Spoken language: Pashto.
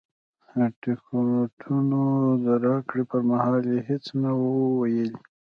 د ټکټونو د راکړې پر مهال یې هېڅ نه وو ویلي.